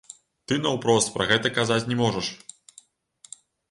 Ты наўпрост пра гэта казаць не можаш.